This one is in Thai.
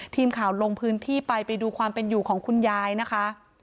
ทีมข่าวลงพื้นที่ไปไปดูความเป็นอยู่ของคุณยายนะคะ